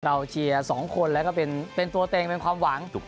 เชียร์๒คนแล้วก็เป็นตัวเต็งเป็นความหวัง